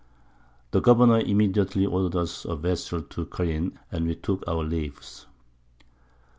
The Governour immediately order'd us a Vessel to careen, and we took our Leaves.